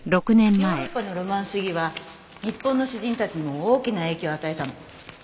ヨーロッパのロマン主義は日本の詩人たちにも大きな影響を与えたの。